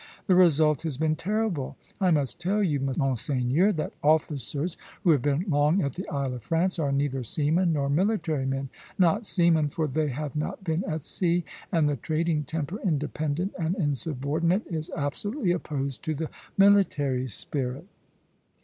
The result has been terrible. I must tell you, Monseigneur, that officers who have been long at the Isle of France are neither seamen nor military men. Not seamen, for they have not been at sea; and the trading temper, independent and insubordinate, is absolutely opposed to the military spirit."